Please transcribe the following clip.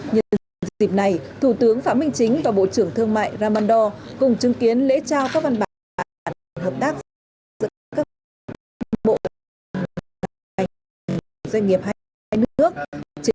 nhân dịp này thủ tướng phạm minh chính và bộ trưởng thương mại ramando cùng chứng kiến lễ trao các văn bản và hợp tác giữa các doanh nghiệp hai nước